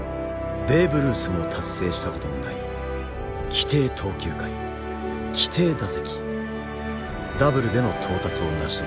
ベーブ・ルースも達成したことのない規定投球回規定打席ダブルでの到達を成し遂げた。